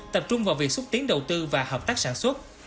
tập trung vào việc xúc tiến đầu tư và hợp tác sản xuất